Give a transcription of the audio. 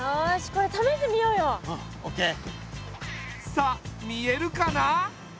さあ見えるかな？